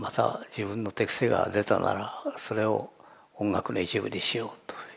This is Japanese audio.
自分の手癖が出たならそれを音楽の一部にしようというふうに。